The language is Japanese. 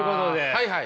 はいはい。